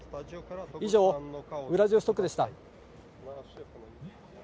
以上、ウラジオストクでした。